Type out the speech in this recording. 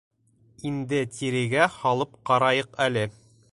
Инде тирегә һалып ҡарайыҡ әле.